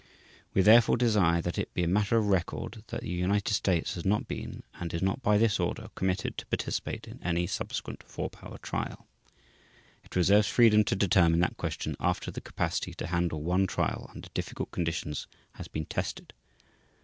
We, therefore, desire that it be a matter of record that the United States has not been, and is not by this order, committed to participate in any subsequent Four Power trial. It reserves freedom to determine that question after the capacity to handle one trial under difficult conditions has been tested.